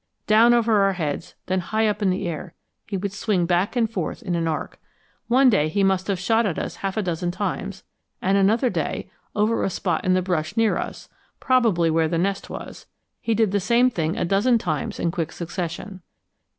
Down over our heads, and then high up in the air, he would swing back and forth in an arc. One day he must have shot at us half a dozen times, and another day, over a spot in the brush near us, probably, where the nest was, he did the same thing a dozen times in quick succession.